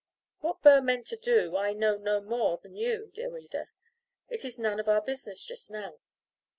What Burr meant to do I know no more than you, dear reader. It is none of our business just now.